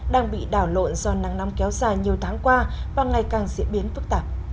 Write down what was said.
đang bị đảo lộn do nắng nóng kéo dài nhiều tháng qua và ngày càng diễn biến phức tạp